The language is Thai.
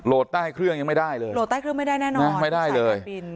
ใต้เครื่องยังไม่ได้เลยโหลดใต้เครื่องไม่ได้แน่นอนไม่ได้เลยบิน